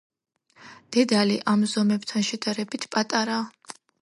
დედალი ამ ზომებთან შედარებით პატარაა.